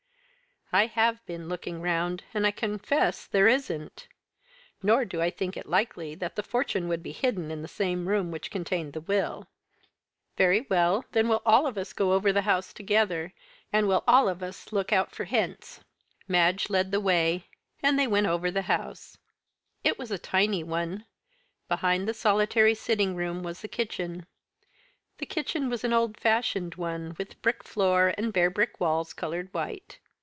"I have been looking round, and I confess there isn't. Nor do I think it likely that the fortune would be hidden in the same room which contained the will." "Very well; then we'll all of us go over the house together, and we'll all of us look out for hints." Madge led the way, and they went over the house. It was a tiny one. Behind the solitary sitting room was the kitchen. The kitchen was an old fashioned one, with brick floor, and bare brick walls coloured white.